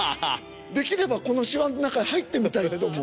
できればこのしわの中に入ってみたいと思う。